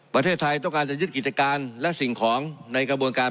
ประเทศไทยต้องการจะยึดกิจการและสิ่งของในกระบวนการ